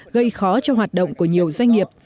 gây khó cho hoạt động của nhiều doanh nghiệp